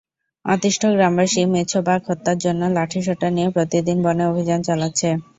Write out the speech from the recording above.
অতিষ্ঠ গ্রামবাসী মেছোবাঘ হত্যার জন্য লাঠিসোঁটা নিয়ে প্রতিদিন বনে অভিযান চালাচ্ছে।